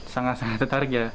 sangat sangat tertarik ya